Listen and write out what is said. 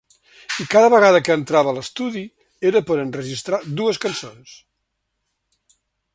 I cada vegada que entrava a l’estudi era per a enregistrar dues cançons.